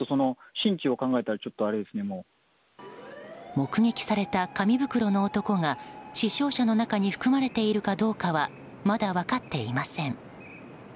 目撃された紙袋の男が死傷者の中に含まれているかどうかはまだ分かっていません。